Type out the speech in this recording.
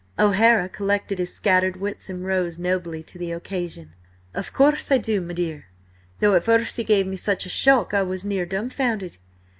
O'Hara collected his scattered wits and rose nobly to the occasion. "Of course I do, me dear, though at first he gave me such a shock, I was near dumbfounded.